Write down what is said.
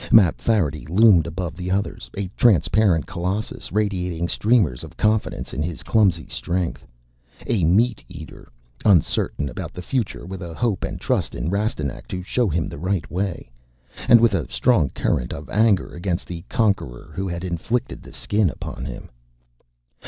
Mapfarity loomed above the others, a transparent Colossus radiating streamers of confidence in his clumsy strength. A meat eater, uncertain about the future, with a hope and trust in Rastignac to show him the right way. And with a strong current of anger against the conqueror who had inflicted the Skin upon him.